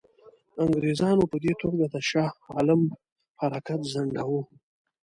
انګرېزانو په دې توګه د شاه عالم حرکت ځنډاوه.